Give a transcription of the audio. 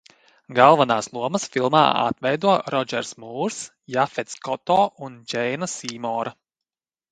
Galvenās lomas filmā atveido Rodžers Mūrs, Jafets Koto un Džeina Sīmora.